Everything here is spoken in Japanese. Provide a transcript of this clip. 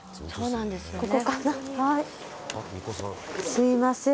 すいません。